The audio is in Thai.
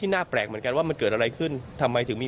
น่าแปลกเหมือนกันว่ามันเกิดอะไรขึ้นทำไมถึงมี